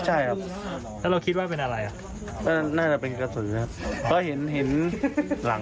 ใช่ครับแล้วเราคิดว่าเป็นอะไรอ่ะก็น่าจะเป็นกระสุนครับก็เห็นเห็นหลัง